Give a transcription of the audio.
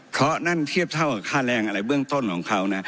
เพราะนั่นเทียบเท่ากับค่าแรงอะไรเบื้องต้นของเขานะ